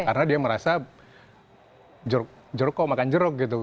karena dia merasa jeruk kok makan jeruk gitu